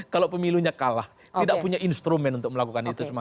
kalau pemilunya kalah tidak punya instrumen untuk melakukan itu semua